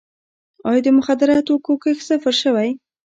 آیا د مخدره توکو کښت صفر شوی؟